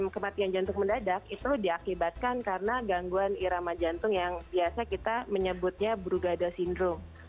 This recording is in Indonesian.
kematian jantung mendadak itu diakibatkan karena gangguan irama jantung yang biasa kita menyebutnya brugada sindrome